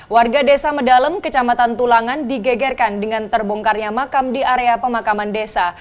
warga desa medalem kecamatan tulangan digegerkan dengan terbongkarnya makam di area pemakaman desa